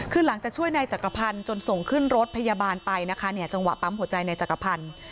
คือหลังจากช่วยนายจักรพันธ์จนส่งขึ้นรถพยาบาลไปนะคะเนี่ยจังหวะปั๊มหัวใจในจักรพันธ์